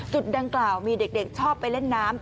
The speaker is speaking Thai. จุดดังกล่าวมีเด็กชอบไปเล่นน้ำ